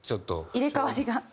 入れ替わりが。